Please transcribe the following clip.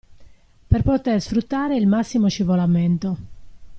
Per poter sfruttare il massimo scivolamento.